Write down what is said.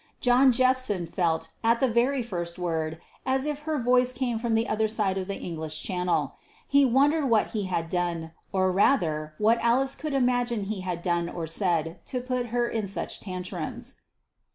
John Jephson felt, at the very first word, as if her voice came from the other side of the English Channel. He wondered what he had done, or rather what Alice could imagine he had done or said, to put her in such tantrums.